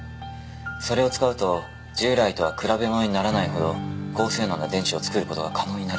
それを使うと従来とは比べ物にならないほど高性能な電池を作る事が可能になるんです。